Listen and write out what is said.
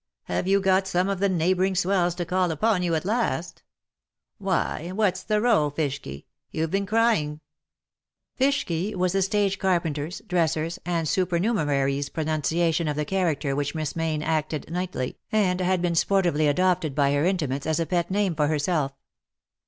'^ Have you got some of the neighbouring swells to call upon you, at last ? Why, what's the row, Fishky, you've been crying ?" Fishky was the stage carpenters', dressers' and supernumeraries' pronunciation of the character which Miss Mayne acted nightly, and had been sportively adopted by her intimates as a pet name for herself.